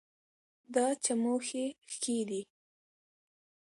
دا چموښي ښکي دي